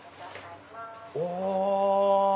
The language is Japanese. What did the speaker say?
お！